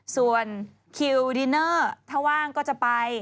ส่วนคิวดินเนอร์ถ้าว่างก็จะไป